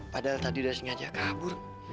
padahal tadi sudah sengaja kabur